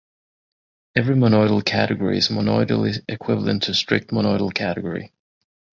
Every monoidal category is monoidally equivalent to a strict monoidal category.